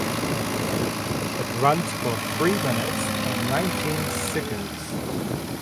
It runs for three minutes and nineteen seconds.